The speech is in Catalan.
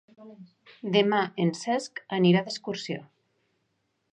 Demà en Cesc anirà d'excursió.